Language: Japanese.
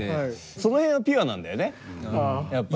その辺がピュアなんだよねやっぱり。